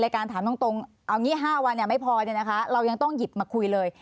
การถามตรงเอางี้๕วันไม่พอเนี่ยนะคะเรายังต้องหยิบมาคุยเลย